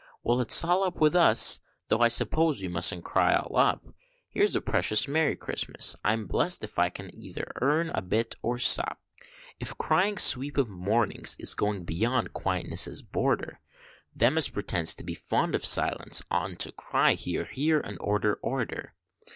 Well, it's all up with us! tho' I suppose we mustn't cry all up. Here's a precious merry Christmas, I'm blest if I can earn either bit or sup! If crying Sweep, of mornings, is going beyond quietness's border, Them as pretends to be fond of silence oughtn't to cry hear, hear, and order, order.